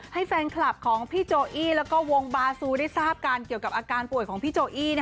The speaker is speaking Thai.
ให้แฟนคลับของพี่โจอี้แล้วก็วงบาซูได้ทราบกันเกี่ยวกับอาการป่วยของพี่โจอี้